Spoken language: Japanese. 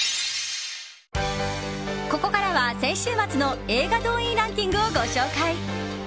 ここからは、先週末の映画動員ランキングをご紹介。